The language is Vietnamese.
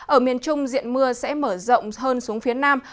ở miền trung diện mưa sẽ mở rộng hơn xuống phía nam